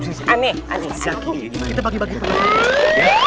ustaz zaki kita bagi bagi pendidikan